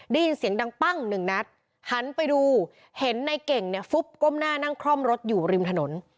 ได้ยินเสียงดังปั้งหนึ่งนัดหันไปดูเห็นในเก่งเนี่ยฟุบก้มหน้านั่งคล่อมรถอยู่ริมถนน